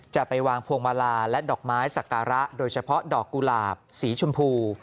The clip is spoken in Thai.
จะไปวางพวงมาลาและดอกไม้สักการะโดยเฉพาะดอกกุหลาบสีชมพู